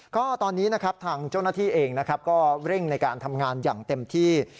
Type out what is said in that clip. ก็ตอนนี้ทางโจทย์หน้าที่เองก็เร่งในการทำงานอย่างเต็มที่